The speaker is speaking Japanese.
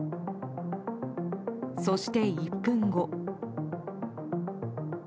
そして、１分後。